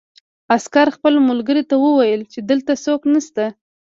عسکر خپل ملګري ته وویل چې دلته څوک نشته